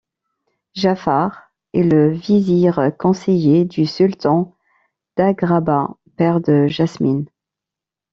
Jafar est le vizir, conseiller du Sultan d'Agrabah, père de Jasmine.